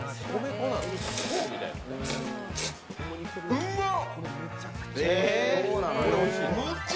うまっ！